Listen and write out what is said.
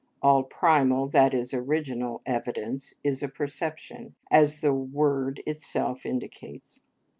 All primal, that is, original, evidence is a perception, as the word itself indicates.